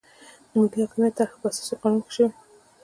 د ملي حاکمیت طرحه په اساسي قانون کې شوې.